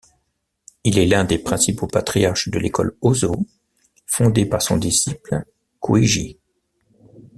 Il est l’un des principaux patriarches de l’école Hossō, fondée par son disciple Kuiji.